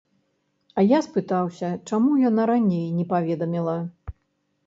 А я спытаўся, чаму яна раней не паведаміла.